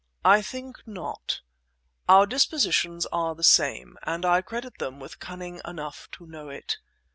"I think not. Our dispositions are the same, and I credit them with cunning enough to know it.